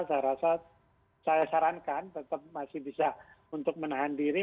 saya rasa saya sarankan tetap masih bisa untuk menahan diri